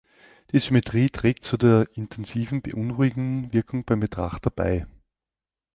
Die Symmetrie trägt zu der intensiven, beunruhigenden Wirkung beim Betrachter bei.